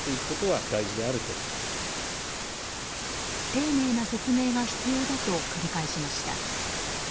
丁寧な説明が必要だと繰り返しました。